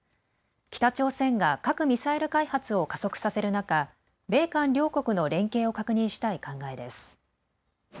北朝鮮が核・ミサイル開発を加速させる中、米韓両国の連携を確認したい考えです。